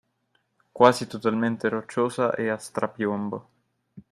Quasi totalmente rocciosa e a strapiombo